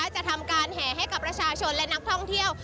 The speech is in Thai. จะทำการแห่ให้กับประชาชนและนักท่องเที่ยว